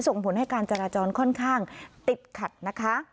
ส่งผลให้การจราจรค่อนข้างติดขัดนะคะ